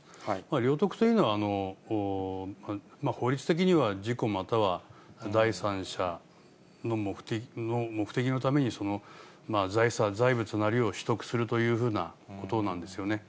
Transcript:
領得というのは法律的には事故、または第三者の目的のために、財物なりを取得するというふうなことなんですよね。